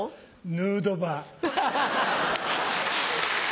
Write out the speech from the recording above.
ヌードバー。